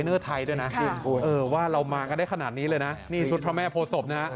เออว่าเรามากันได้ขนาดนี้เลยนะนี่ชุดพระแม่โภษศพนะ